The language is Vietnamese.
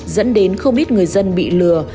dẫn đến không ít người dân bị lừa